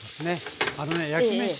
あのね焼きめし